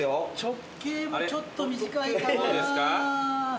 直径もちょっと短いかな。